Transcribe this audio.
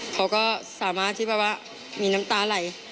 เขาก็สามารถที่แบบว่ามีน้ำตาไหล